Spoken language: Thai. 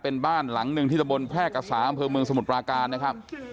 เป็นบ้านหลัง๑ที่ถ้าบนแพร่กับศาลก็คือมสมภาการนะครับ